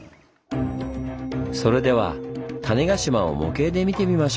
それでは種子島を模型で見てみましょう。